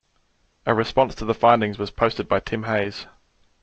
A response to the findings was posted by Tim Hayes.